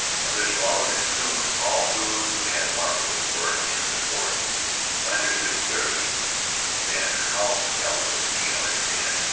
Others followed, and soon all those who had marbles were in the sport. I understood clearly then how helpless Tino had been.